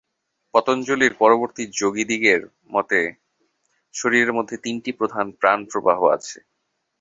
পতঞ্জলির পরবর্তী যোগীদিগের মতে শরীরের মধ্যে তিনটি প্রধান প্রাণপ্রবাহ আছে।